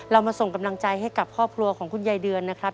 เรามาส่งกำลังใจให้กับครอบครัวของคุณยายเดือนนะครับ